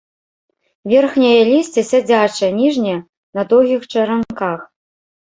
Верхняе лісце сядзячае, ніжняе на доўгіх чаранках.